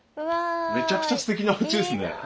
めちゃくちゃすてきなおうちですね。